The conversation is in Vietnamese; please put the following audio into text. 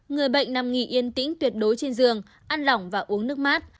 người bệnh nằm nghỉ yên tĩnh tuyệt đối trên giường ăn lỏng và uống nước mát